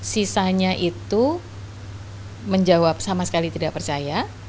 sisanya itu menjawab sama sekali tidak percaya